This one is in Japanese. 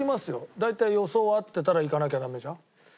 大体予想は合ってたらいかなきゃダメじゃん。